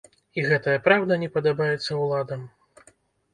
І гэтая праўда не падабаецца ўладам.